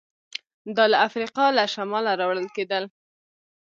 دا له افریقا له شماله راوړل کېدل